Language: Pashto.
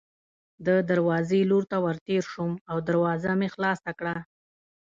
د دروازې لور ته ورتېر شوم او دروازه مې خلاصه کړه.